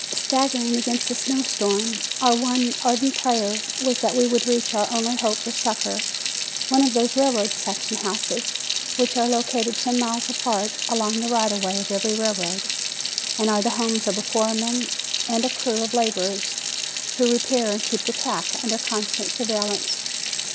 Staggering against the snow storm our one ardent prayer was that we would reach our only hope for succor one of those railroad section houses, which are located ten miles apart along the right of way of every railroad, and are the homes of a foreman and a crew of laborers who repair and keep the track under constant surveillance.